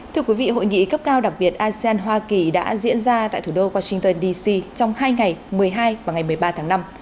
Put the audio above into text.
thưa quý vị hội nghị cấp cao đặc biệt asean hoa kỳ đã diễn ra tại thủ đô washington d c trong hai ngày một mươi hai và ngày một mươi ba tháng năm